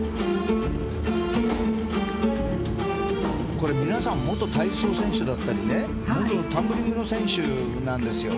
これ皆さん元体操選手だったりね元タンブリングの選手なんですよ。